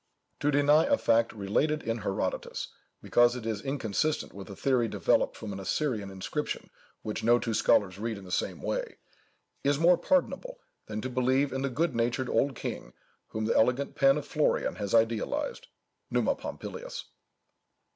To deny a fact related in Herodotus, because it is inconsistent with a theory developed from an Assyrian inscription which no two scholars read in the same way, is more pardonable, than to believe in the good natured old king whom the elegant pen of Florian has idealized—_Numa Pompilius.